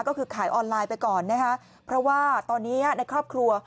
ก็คือขายออนไลน์ไปก่อนนะคะเพราะว่าตอนนี้ในครอบครัว